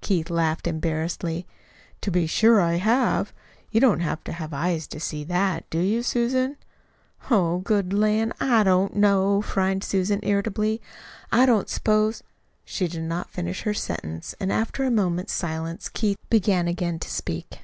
Keith laughed embarrassedly. "To be sure I have! You don't have to have eyes to see that, do you, Susan?" "Oh, good lan', I don't know," frowned Susan irritably. "I didn't s'pose " She did not finish her sentence, and after a moment's silence Keith began again to speak.